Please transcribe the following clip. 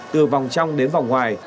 từ vòng trong đến vòng ngoài